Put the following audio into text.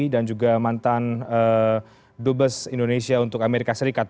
dan juga mantan dubes indonesia untuk amerika serikat